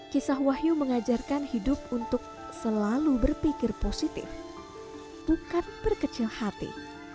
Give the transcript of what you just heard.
kisah wahyu mengajarkan hidup untuk selalu berpikir positif bukan berkecil hati